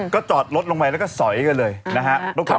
ก็จอดรถลงไปแล้วก็สอยกันเลยนะฮะ